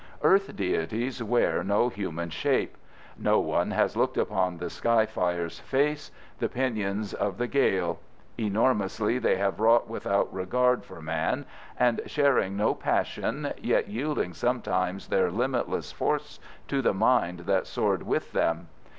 Earth deities wear no human shape. No one has looked upon the sky fire's face, the pinions of the gale. Enormously they have wrought, without regard for man and sharing no passion, yet yielding sometimes their limitless force to the mind that soared with them.